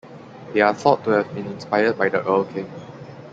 They are thought to have been inspired by the Erlking.